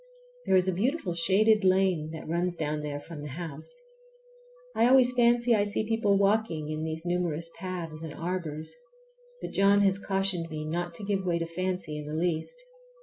There is a beautiful shaded lane that runs down there from the house. I always fancy I see people walking in these numerous paths and arbors, but John has cautioned me not to give way to fancy in the least.